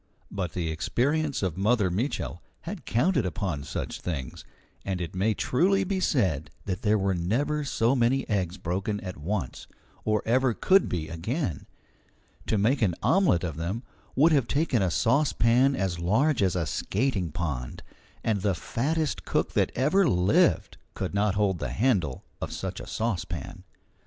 But the experience of Mother Mitchel had counted upon such things, and it may truly be said that there were never so many eggs broken at once, or ever could be again. To make an omelette of them would have taken a saucepan as large as a skating pond, and the fattest cook that ever lived could not hold the handle of such a saucepan.